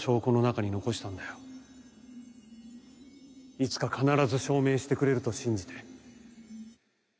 いつか必ず証明してくれると信じて。